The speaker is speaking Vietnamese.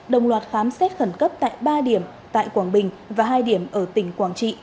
đồng loạt khám xét khẩn cấp tại ba điểm tại quảng bình và hai điểm ở tỉnh quảng trị